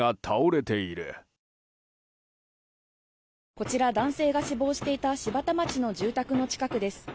こちら男性が死亡していた柴田町の住宅の近くです。